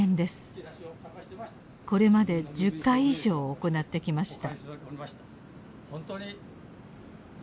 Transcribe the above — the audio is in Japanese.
これまで１０回以上行ってきました。